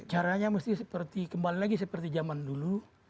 caranya mesti seperti kembali lagi seperti zaman dulu